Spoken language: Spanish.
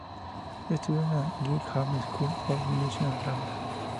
Estudió en la "Guildhall School of Music and Drama".